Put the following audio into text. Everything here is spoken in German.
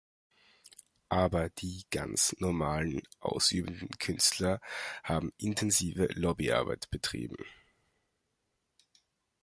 Aber die ganz normalen, ausübenden Künstler haben intensive Lobbyarbeit betrieben.